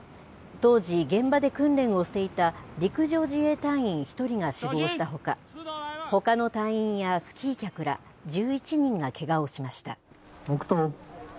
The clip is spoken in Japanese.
当時、現場で訓練をしていた陸上自衛隊員１人が死亡したほか、ほかの隊員やスキー客ら１１人がけがをしました。